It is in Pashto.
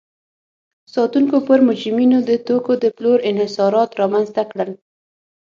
ساتونکو پر مجرمینو د توکو د پلور انحصارات رامنځته کړل.